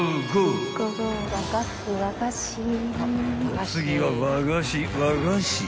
［お次は和菓子和菓子］